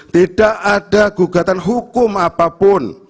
tidak ada gugatan hukum apapun